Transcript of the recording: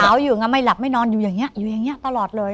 สาวอยู่ไม่หลับไม่นอนอยู่อย่างเนี้ยอยู่อย่างเนี้ยตลอดเลย